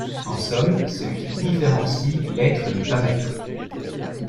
En somme, ce qui différencie l'être du paraître.